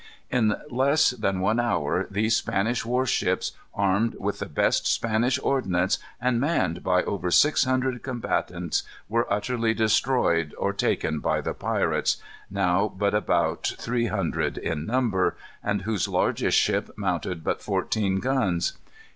In less than one hour these Spanish war ships, armed with the best Spanish ordnance, and manned by over six hundred combatants, were utterly destroyed or taken by the pirates, now but about three hundred in number, and whose largest ship mounted but fourteen guns.